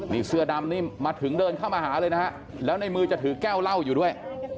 นี่เสื้อดำนี่มาถึงเดินเข้ามาหาเลยนะฮะแล้วในมือจะถือแก้วเหล้าอยู่ด้วย